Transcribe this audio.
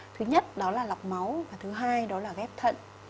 thứ nhất đó là lọc máu và thứ hai đó là ghép thận